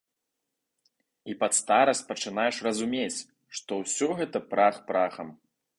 І пад старасць пачынаеш разумець, што ўсё гэта прах прахам.